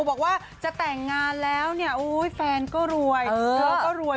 บอกว่าจะแต่งงานแล้วนี่ฟก็รวยเธอก็รวย